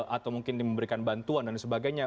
atau mungkin diberikan bantuan dan sebagainya